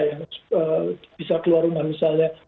yang bisa keluar rumah misalnya